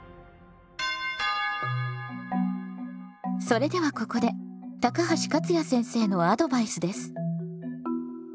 それではここで高橋勝也先生のアドバイスです。